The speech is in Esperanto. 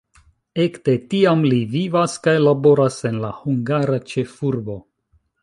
Ekde tiam li vivas kaj laboras en la hungara ĉefurbo.